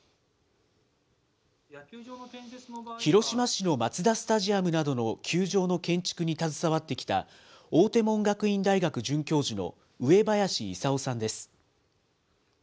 広島市のマツダスタジアムなどの球場の建築に携わってきた追手門学院大学准教授の上林功さんです。